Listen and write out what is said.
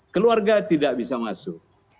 keluarga tidak bisa masuk